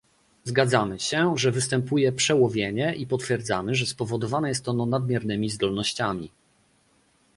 Zgadzamy się, że występuje przełowienie i potwierdzamy, że spowodowane jest ono nadmiernymi zdolnościami